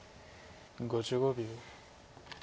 ５５秒。